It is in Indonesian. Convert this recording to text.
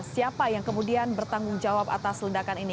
siapa yang kemudian bertanggung jawab atas ledakan ini